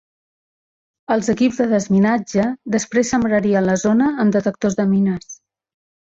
Els equips de desminatge després sembrarien la zona amb detectors de mines.